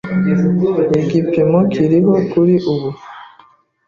igipimo kiriho kuri ubu